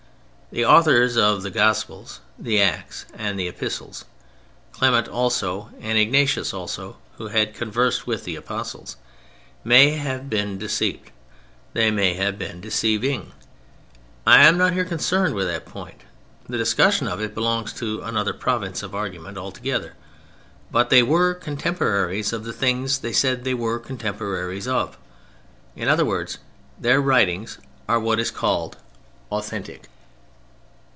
The authors of the Gospels, the Acts, and the Epistles, Clement also, and Ignatius also (who had conversed with the Apostles) may have been deceived, they may have been deceiving. I am not here concerned with that point. The discussion of it belongs to another province of argument altogether. But they were contemporaries of the things they said they were contemporaries of. In other words, their writings are what is called "authentic."